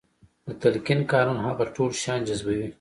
د تلقين قانون هغه ټول شيان جذبوي.